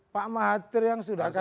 pak mahathir yang sudah kata kata